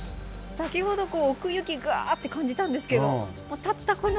先ほど奥行きガーって感じたんですけどたったこの。